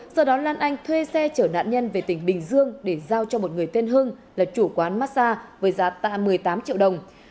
do đó lan anh thuê xe chở nạn nhân về tỉnh bình dương để giao cho một người tên hưng là chủ quán massage với giá tạ một mươi tám triệu đồng